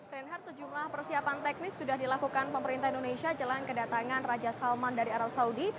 reinhardt sejumlah persiapan teknis sudah dilakukan pemerintah indonesia jelang kedatangan raja salman dari arab saudi